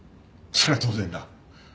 それは当然だ。